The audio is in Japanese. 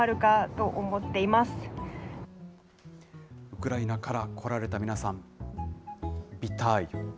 ウクライナから来られた皆さん、ヴィターユ。